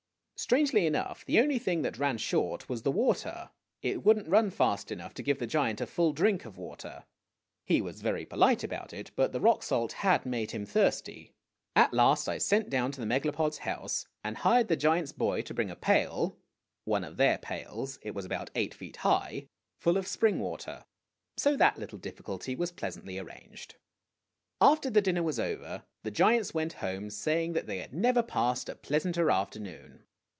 Strangely enough, the only thing that ran short was the water. It would n't run fast enough to give the giant a full drink of water. He was very polite about it, but the rock salt had made him thirsty. At last I sent down to the Megalopods' house, and hired the giant's boy to bring a pail (one of their pails it was about eight feet high) full of spring water. So that little difficulty was pleasantly arranged. GOOD NEIGHBORS 203 After the dinner was over, the giants went home, saying that they had never passed a pleasanter afternoon.